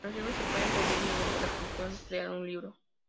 Los libros se pueden pedir mediante la función "Crear un libro".